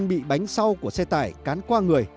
bị bánh sau của xe tải cán qua người